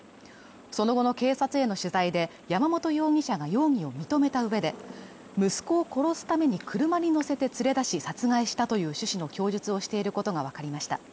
その後の警察への取材で、山本容疑者が容疑を認めたうえで、息子を殺すために車に乗せて連れ出し殺害したという趣旨の供述をしていることが分かりました。